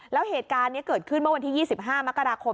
แล้วเหตุการณ์นี้เกิดขึ้นเมื่อวันที่๒๕มกราคม